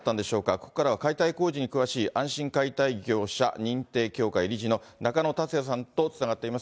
ここからは解体工事に詳しい、安心解体業者認定協会理事のなかのたつやさんとつながっています。